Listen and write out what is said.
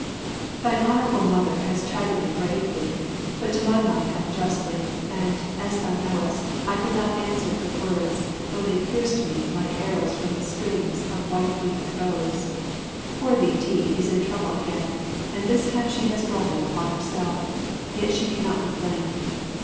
Thine Honourable Mother has chided me gravely, but to my mind unjustly, and, as thou knowest, I could not answer her words, though they pierced me "like arrows from the strings of white winged bows." Poor Li ti is in trouble again, and this time she has brought it upon herself, yet she cannot he blamed.